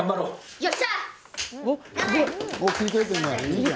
よっしゃ！